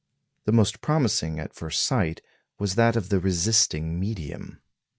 The most promising at first sight was that of the resisting medium.